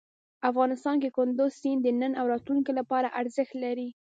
افغانستان کې کندز سیند د نن او راتلونکي لپاره ارزښت لري.